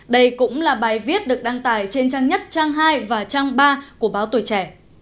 đây cũng là bài viết được đăng tải trên trang nhất trang hai và trang ba của báo tuổi trẻ